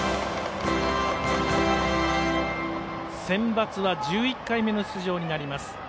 センバツは１１回目の出場になります。